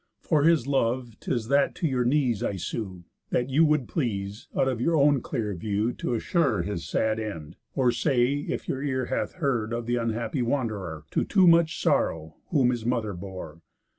For his love 'tis that to your knees I sue, That you would please, out of your own clear view, T' assure his sad end; or say, if your ear Hath heard of the unhappy wanderer, To too much sorrow whom his mother bore.